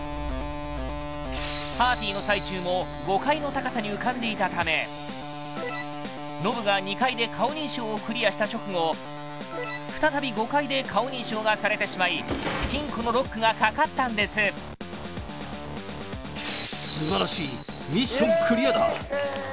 窓から見えなかったノブが２階で顔認証をクリアした直後再び５階で顔認証がされてしまい金庫のロックがかかったんです素晴らしいミッションクリアだ